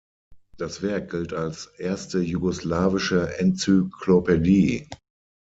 Das Werk gilt als erste jugoslawische Enzyklopädie.